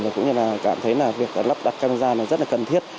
và cũng như là cảm thấy là việc lắp đặt camera là rất là cần thiết